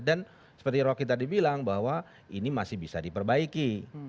seperti rocky tadi bilang bahwa ini masih bisa diperbaiki